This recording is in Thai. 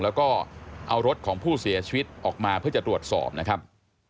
แล้วก็เอารถของผู้เสียชีวิตออกมาเพื่อจะตรวจสอบนะครับ